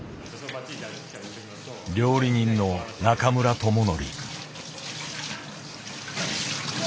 料理人の中村友紀。